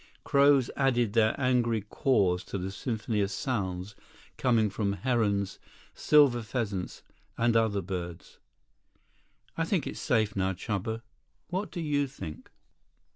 Crows added their angry caws to the symphony of sounds coming from herons, silver pheasants, and other birds. "I think it's safe now, Chuba. What do you think?"